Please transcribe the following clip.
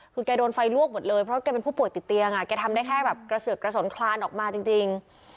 คือแกโดนไฟลวกหมดเลยเพราะแกเป็นผู้ป่วยติดเตียงแกทำได้แค่แบบกระเสือกกระสนคลานออกมาจริง